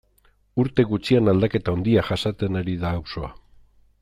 Urte gutxian aldaketa handiak jasaten ari da auzoa.